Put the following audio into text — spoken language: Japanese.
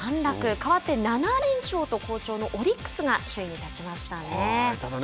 かわって７連勝と好調のオリックスが首位に立ちましたね。